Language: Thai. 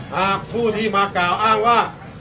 หากผู้ที่มากล่าวอ้างว่า